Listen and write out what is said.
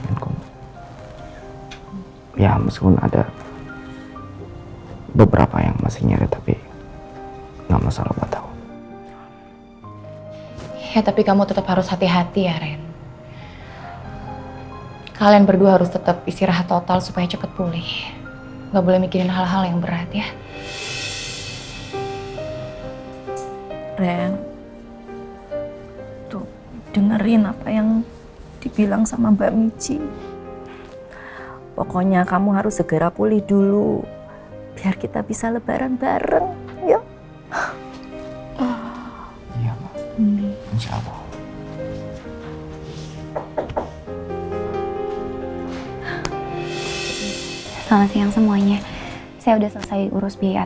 ini bu tanda bukti pengerasannya